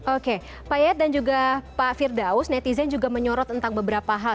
oke pak yayat dan juga pak firdaus netizen juga menyorot tentang beberapa hal